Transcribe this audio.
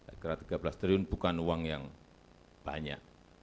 saya kira tiga belas triliun bukan uang yang banyak